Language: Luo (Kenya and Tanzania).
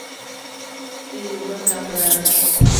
E yo ma kamano